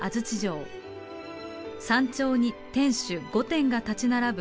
山頂に天主御殿が立ち並ぶ